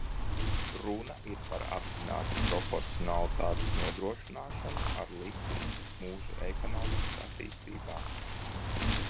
Runa ir par apzinātas proporcionalitātes nodrošināšanu ar likumu mūsu ekonomikas attīstībā.